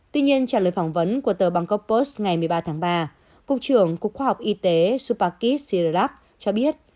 tuy nhiên trả lời phỏng vấn của tờ bangkok post ngày một mươi ba tháng ba cục trưởng cục khoa học y tế subakis sirerak cho biết